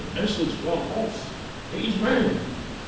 Bessel's gone off. He's mad!"